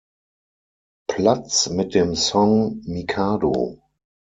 Platz mit dem Song "Mikado".